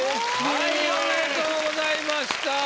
はいおめでとうございました。